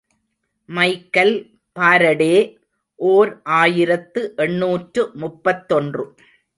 Michael Faraday, ஓர் ஆயிரத்து எண்ணூற்று முப்பத்தொன்று.